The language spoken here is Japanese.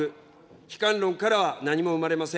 悲観論からは何も生まれません。